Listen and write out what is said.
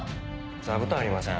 座布団ありません？